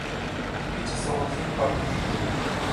гэж асуухад хэл нь бараг хөдлөхгүй байв.